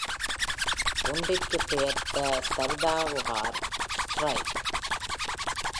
ஒன்றிற்கு பெயர் the Sardaukar strike!